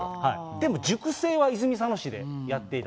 でも熟成は泉佐野市でやっていた。